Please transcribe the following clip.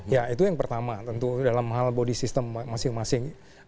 ya itu yang pertama tentu dalam hal body system masing masing